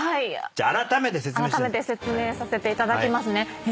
あらためて説明させていただきますね。